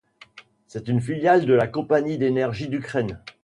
C'est une filiale de la Compagnie d'Énergie d'Ukraine.